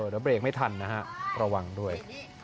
เดี๋ยวเบรกไม่ทันนะฮะระวังด้วย